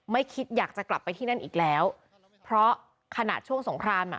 ไม่คิดอยากจะกลับไปที่นั่นอีกแล้วเพราะขนาดช่วงสงครามอ่ะ